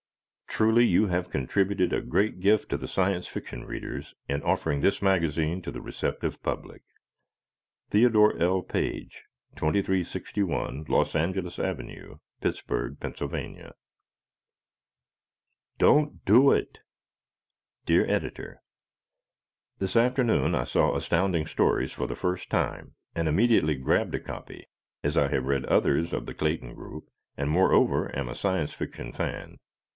Truly you have contributed a great gift to Science Fiction readers in offering this magazine to the receptive public. Theodore L. Page, 2361 Los Angeles Ave., Pittsburgh, Pa. "Don't Do It!" Dear Editor: This afternoon I saw Astounding Stories for the first time and immediately grabbed a copy, as I have read others of the Clayton group, and moreover am a Science Fiction fan.